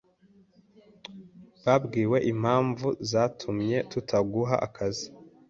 Wabwiwe impamvu zatumye tutaguha akazi?